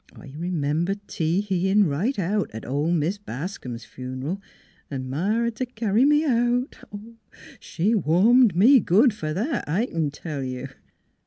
... I remember tee heein' right out at oF Mis' Bas com's fun'ral, 'n' Ma hed t' carry me out. She warmed me good f'r that, I c'n tell you."